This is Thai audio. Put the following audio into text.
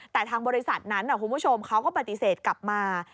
แต่ทางบริษัทนั้นคุณผู้ชมเขาก็ปฏิเสธกลับมา